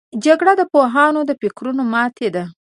جګړه د پوهانو د فکرونو ماتې ده